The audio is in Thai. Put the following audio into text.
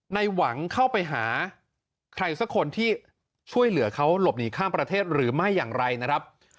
ในหวังเข้าไปหาใครสักคนที่ช่วยเหลือเขาหลบหนีข้ามประเทศหรือไม่อย่างไรนะครับ